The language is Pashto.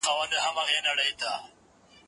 زه پرون زدکړه وکړه؟!